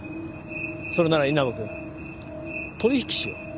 それなら稲葉君取引しよう。